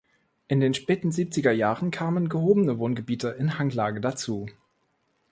In den späten siebziger Jahren kamen gehobene Wohngebiete in Hanglage hinzu.